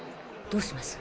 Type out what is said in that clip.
どうします？